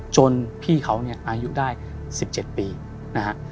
จนพี่เขาเนี่ยอายุได้๑๗ปีนะฮะ